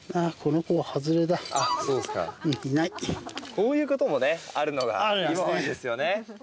こういうこともあるのが芋掘りですよね。